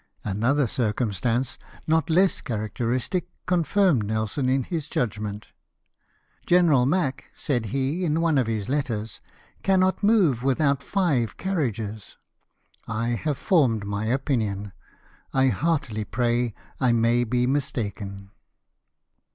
Another circumstance, not less characteristic, con firmed Nelson in this judgment. "General Mack," said he in one of his letters, " cannot move Avithout five carriages ! I have formed my opinion. I heartily pray I may be mistaken."